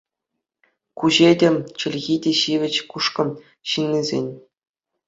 Куҫӗ те, чӗлхи те ҫивӗч Кушкӑ ҫыннисен.